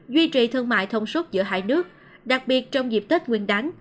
duy trì thương mại thông suốt giữa hai nước đặc biệt trong dịp tết nguyên đáng